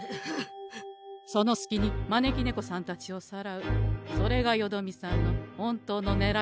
そのすきに招き猫さんたちをさらうそれがよどみさんの本当のねらいだったんでござんしょう？